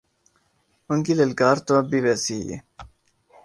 ان کی للکار تو اب بھی ویسے ہی ہے۔